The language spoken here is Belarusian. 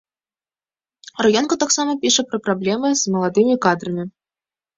Раёнка таксама піша пра праблемы з маладымі кадрамі.